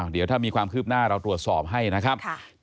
เดี๋ยวถ้ามีความคืบหน้าเราตรวจสอบให้นะครับ